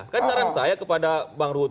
kan saran saya kepada bang ruhut